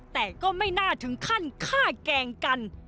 แต่ก็ไม่น่าถึงขั้นฆ่าแกล้งกัน